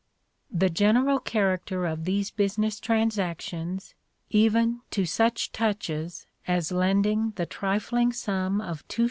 The general character of these business transactions, even to such touches as lending the trifling sum of 2s.